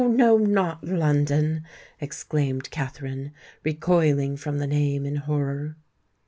no—not London!" exclaimed Katherine, recoiling from the name in horror.